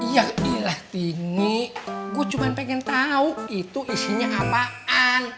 ya iya lah tin gue cuma pengen tahu itu isinya apaan